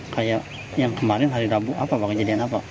kayak yang kemarin hari rabu apa bang kejadian apa